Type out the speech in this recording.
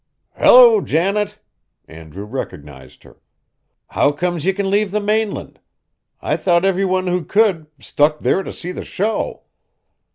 "Hello, Janet!" Andrew recognized her. "How comes ye kin leave the mainland? I thought every one who could, stuck there t' see the show.